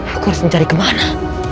aku harus mencari kemana